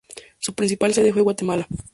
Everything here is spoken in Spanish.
Su principal sede fue Guatemala.